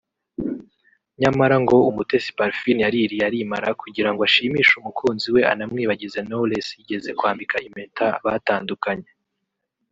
nyamara ngo Umutesi Parfine yaririye arimara kugira ngo ashimishe umukunzi we anamwibagize Knowless yigeze kwambika impeta batandukanye